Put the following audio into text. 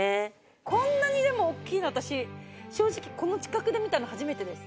こんなにでも大きいの私正直この近くで見たの初めてです。